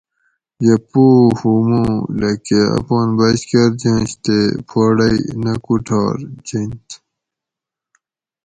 یہ پوہ ھو موں لکہ اپان بچ کرجنش تے پوڑئ نہ کوٹھار جنت